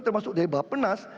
termasuk dari bapenas